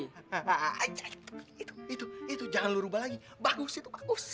ah ah ah aja gitu itu itu jangan lo rubah lagi bagus itu bagus